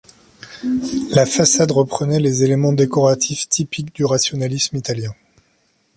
La façade reprenait les éléments décoratifs typiques du rationalisme italien.